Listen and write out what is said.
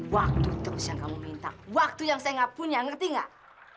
waktu terus yang kamu minta waktu yang saya nggak punya ngerti nggak